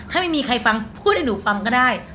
ถ้าไม่มีใครฟังพูดให้หนูฟังก็ได้